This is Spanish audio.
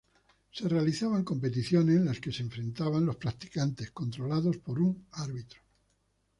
Se realizaban competiciones en las que se enfrentaban los practicantes, controlados por un árbitro.